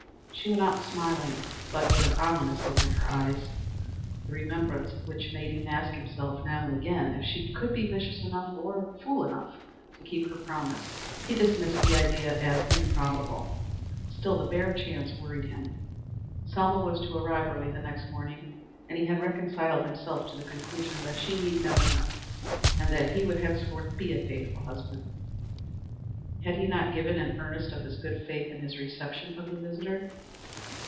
She went out smiling, but with an ominous look in her eyes, the remembrance of which made him ask himself now and again if she could be vicious enough, or fool enough, to keep her promise. He dismissed the idea as improbable; still the bare chance worried him. Selma was to arrive early the next morning, and he had reconciled himself to the conclusion that she need never know, and that he would henceforth be a faithful husband. Had he not given an earnest of his good faith in his reception of his visitor?